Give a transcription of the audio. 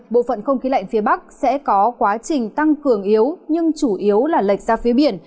bộ phận không khí lạnh phía bắc sẽ có quá trình tăng cường yếu nhưng chủ yếu là lệch ra phía biển